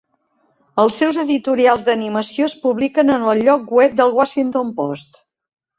Els seus editorials d'animació es publiquen en el lloc web del "Washington Post".